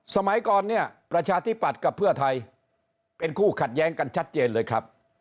สมัยก่อนเนี่ยประชาธิปัตย์กับเพื่อไทยเป็นคู่ขัดแย้งกันชัดเจนเลยครับ